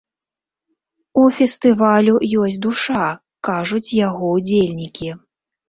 У фестывалю ёсць душа, кажуць яго ўдзельнікі.